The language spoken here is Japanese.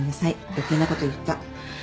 余計なこと言った。